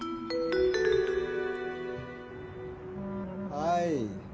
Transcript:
はい。